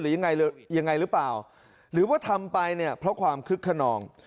ยังไงยังไงหรือเปล่าหรือว่าทำไปเนี่ยเพราะความคึกขนอง